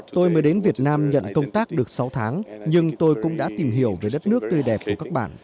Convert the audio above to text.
tôi mới đến việt nam nhận công tác được sáu tháng nhưng tôi cũng đã tìm hiểu về đất nước tươi đẹp của các bạn